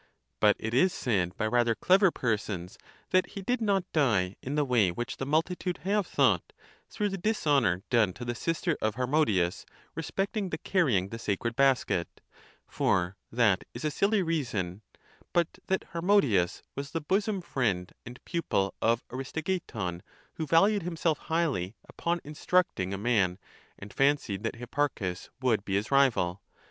But it is said by rather clever persons, that he did not die in the way which the multitude have thought, through the °dishonour done to the sister (of Harmodius) re specting the carrying the sacred basket ®—for that is a silly reason—but that Harmodius was the bosom friend and pupil of Aristogeiton, who valued himself highly upon 'instructing a man,' and fancied that Hipparchus would be his rival.